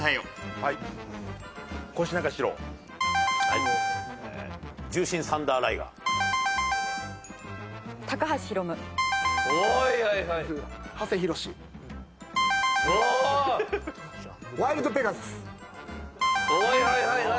はいはいはいはい！